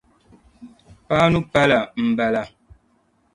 Paanu palli n bala.